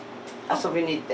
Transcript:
遊びに行って。